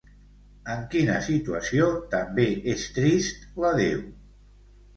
En quina situació també és trist l'adeu?